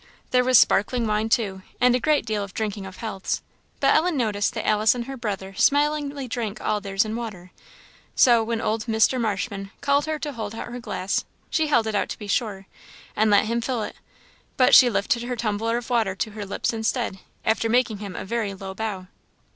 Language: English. There was sparkling wine, too, and a great deal of drinking of healths; but Ellen noticed that Alice and her brother smilingly drank all theirs in water; so, when old Mr. Marshman called to her to "hold out her glass," she held it out, to be sure, and let him fill it, but she lifted her tumbler of water to her lips instead, after making him a very low bow.